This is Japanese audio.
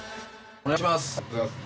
お願いします。